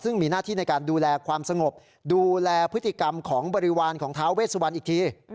ซึ่งมีหน้าที่ในการดูแลความสงบดูแลพฤติกรรมของบริวารของท้าเวสวันอีกที